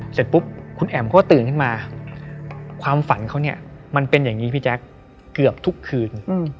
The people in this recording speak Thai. เสร็จปุ๊บคุณแอ๋มเขาก็ตื่นขึ้นมาความฝันเขาเนี่ยมันเป็นอย่างนี้พี่แจ๊คเกือบทุกคืน